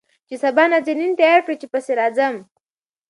چې سبا نازنين تيار کړي چې پسې راځم.